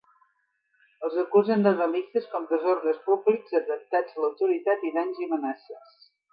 Els acusen de delictes com desordres públics, atemptat a l’autoritat, danys i amenaces.